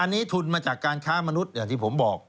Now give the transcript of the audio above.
อันนี้ทุนมาจากการค้ามนุษย์อย่างที่ผมบอก